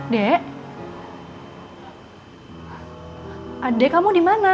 dede kamu dimana